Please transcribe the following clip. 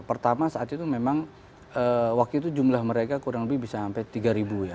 pertama saat itu memang waktu itu jumlah mereka kurang lebih bisa sampai tiga ribu ya